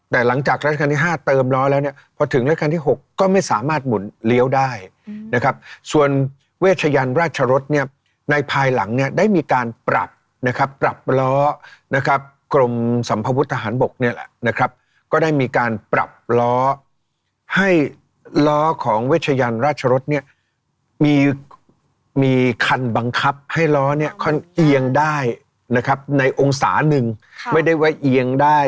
แต่หลังจากราชการที่๕เติมล้อแล้วเนี่ยพอถึงรายการที่๖ก็ไม่สามารถหมุนเลี้ยวได้นะครับส่วนเวชยันราชรสเนี่ยในภายหลังเนี่ยได้มีการปรับนะครับปรับล้อนะครับกรมสัมภวุฒิทหารบกเนี่ยแหละนะครับก็ได้มีการปรับล้อให้ล้อของเวชยันราชรสเนี่ยมีคันบังคับให้ล้อเนี่ยค่อนข้างเอียงได้นะครับในองศาหนึ่งไม่ได้ไว้เอียงได้